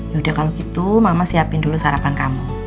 yaudah kalau gitu mama siapin dulu sarapan kamu